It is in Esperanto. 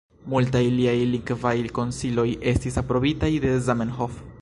Multaj liaj lingvaj konsiloj estis aprobitaj de Zamenhof.